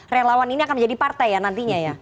relawan ini akan menjadi partai ya nantinya ya